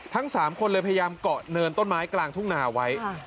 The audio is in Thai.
ทั้ง๓คนเลยพยายามเกาะเนินต้นไม้กลางทุ่งนาไว้